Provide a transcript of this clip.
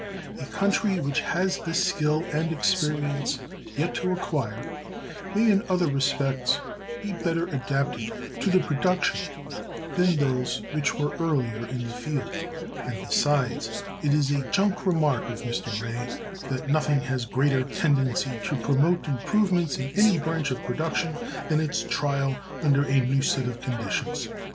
A country which has this skill and experience yet to acquire may in other respects be better adapted to the production than those which were earlier in the field; and, besides, it is a just remark of Mr. Rae that nothing has a greater tendency to promote improvements in any branch of production than its trial under a new set of conditions.